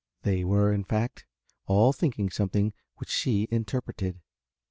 They were, in fact, all thinking something which she interpreted."